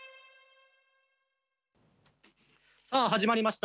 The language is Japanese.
さあ始まりました